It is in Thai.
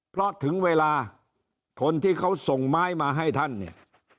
เพราะถึงเวลาคนที่เขาส่งไม้มาให้ท่านเนี่ย